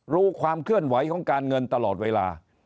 รู้ความเคลื่อนไหวของการเงินตลอดเวลา